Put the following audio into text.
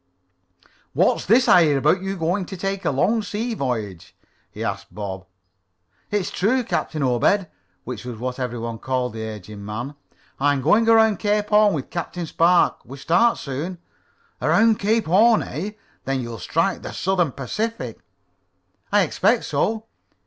"What's this I hear about you going to take a long sea voyage?" he asked of Bob. "It's true, Captain Obed," which was what every one called the aged man. "I'm going around Cape Horn with Captain Spark. We start soon." "Around Cape Horn, eh? Then you'll strike the Southern Pacific." "I expect so."